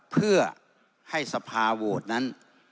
เพื่อให้สภาโหวตนั้น